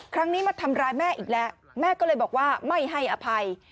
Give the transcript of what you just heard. ครั้งนี้มาทำร้ายแม่อีกแล้วแม่ก็เลยบอกว่าไม่ให้อภัย